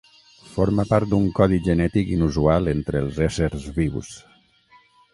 Forma part d'un codi genètic inusual entre els éssers vius.